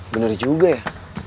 bener juga ya